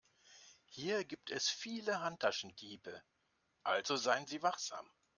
Hier gibt es viele Handtaschendiebe, also seien Sie wachsam.